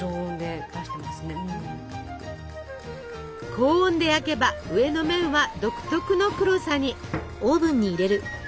高温で焼けば上の面は独特の黒さに。